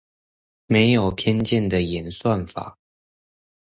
沒有偏見的演算法